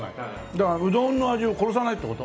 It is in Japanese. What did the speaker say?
だからうどんの味を殺さないって事？